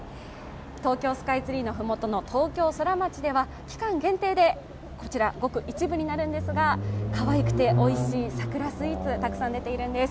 東京スカイツリーの麓の東京ソラマチでは期間限定でこちら、ごく一部になるんですがかわいくておいしい桜スイーツ、たくさん出ているんです。